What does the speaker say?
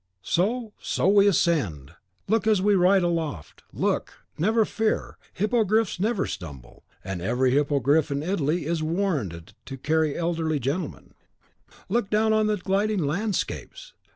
So, so, we ascend! Look as we ride aloft, look! never fear, hippogriffs never stumble; and every hippogriff in Italy is warranted to carry elderly gentlemen, look down on the gliding landscapes!